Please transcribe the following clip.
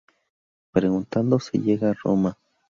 Preguntando se llega a Roma